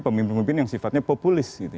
pemimpin pemimpin yang sifatnya populis